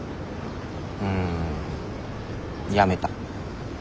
うんやめた。